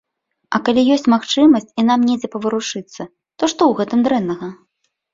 А калі ёсць магчымасць і нам недзе паварушыцца, то што ў гэтым дрэннага?